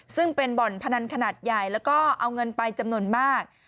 ซึ่งเป็นบ่อนพนันขนาดใหญ่แล้วก็เอาเงินไปจำนวนมาก